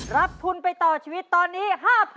รับทุนไปต่อชีวิตตอนนี้๕๐๐๐